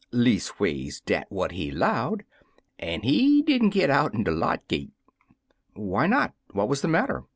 Leastways, dat what he 'lowed, but he didn' git outen de lot gate." "Why not? What was the matter?"